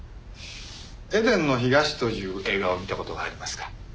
『エデンの東』という映画を見た事がありますか？